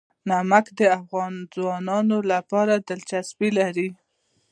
نمک د افغان ځوانانو لپاره دلچسپي لري.